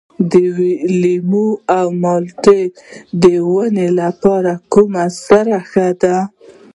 د لیمو او مالټې د ونو لپاره کومه سره ښه ده؟